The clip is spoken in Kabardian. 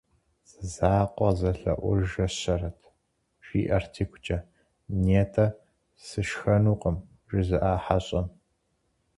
«Зэзакъуэ къызэлъэӏужащэрэт», жиӏэрт игукӏэ, нетӏэ «сышхэнукъым» жызыӏа хьэщӏэм.